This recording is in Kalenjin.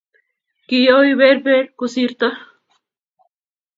kioii berber kusirto